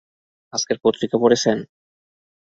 আজকের পত্রিকা পড়েছেন?